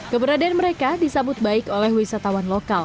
keberadaan mereka disambut baik oleh wisatawan lokal